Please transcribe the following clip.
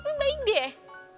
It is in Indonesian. tapi baik deh